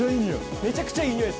めちゃくちゃいい匂いですよね。